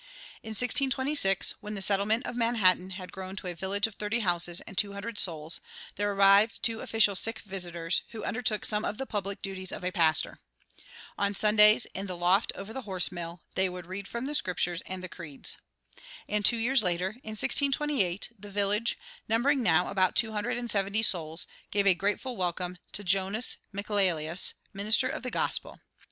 In 1626, when the settlement of Manhattan had grown to a village of thirty houses and two hundred souls, there arrived two official "sick visitors," who undertook some of the public duties of a pastor. On Sundays, in the loft over the horse mill, they would read from the Scriptures and the creeds. And two years later, in 1628, the village, numbering now about two hundred and seventy souls, gave a grateful welcome to Jonas Michaelius, minister of the gospel.